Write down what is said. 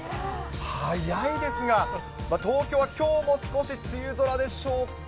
早いですが、東京はきょうも少し梅雨空でしょうか。